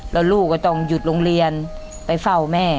แล้วลูกก็ต้องหยุดโรงเรียนไปเฝ้าแม่